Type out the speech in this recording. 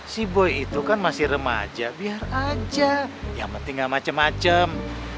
si boi itu kan masih remaja biar aja yang penting gak macem macem